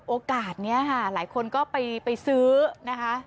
โอกาสนี้ค่ะหลายคนก็ไปซื้อนะคะ